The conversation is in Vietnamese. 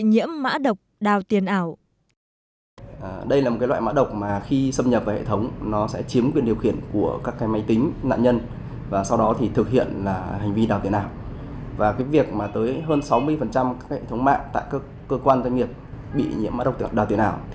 sáu mươi hệ thống cơ quan doanh nghiệp bị nhiễm mã độc đào tiền ảo